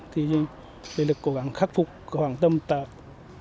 thì điện lực cố gắng khắc phục khoảng tầm tạp